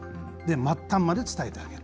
末端まで伝えてあげる。